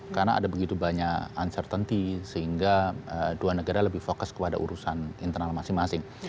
karena ada begitu banyak uncertainty sehingga dua negara lebih fokus kepada urusan internal masing masing